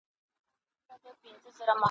پکښی شخول به وو همېش د بلبلانو..